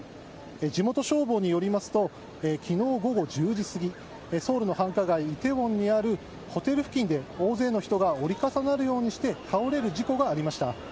地元消防によりますと昨日午後１０時すぎソウルの繁華街、梨泰院にあるホテル付近で大勢の人が折り重なるようにして倒れる事故がありました。